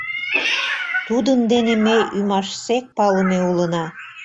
Тудын дене ме ӱмашсек палыме улына.